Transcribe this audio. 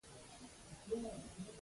احمد او علي په مغزي سره ګرزي.